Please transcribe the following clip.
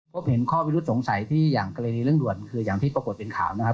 พบเห็นข้อวิรุธสงสัยที่อย่างกรณีเรื่องด่วนคืออย่างที่ปรากฏเป็นข่าวนะครับ